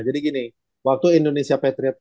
jadi gini waktu indonesia patriots